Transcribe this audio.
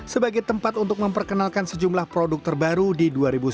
sebagai tempat untuk memperkenalkan sejumlah produk terbaru di dua ribu sembilan belas